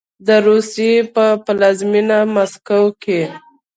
د روسیې په پلازمینه مسکو کې